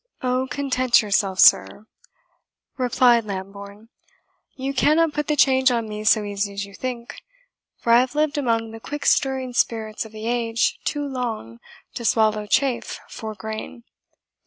"Oh, content yourself, sir," replied Lambourne; "you cannot put the change on me so easy as you think, for I have lived among the quick stirring spirits of the age too long to swallow chaff for grain.